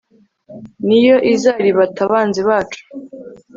ni yo izaribata abanzi bacu